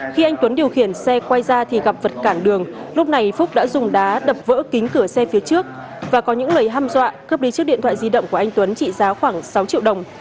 khi anh tuấn điều khiển xe quay ra thì gặp vật cản đường lúc này phúc đã dùng đá đập vỡ kính cửa xe phía trước và có những lời ham dọa cướp đi chiếc điện thoại di động của anh tuấn trị giá khoảng sáu triệu đồng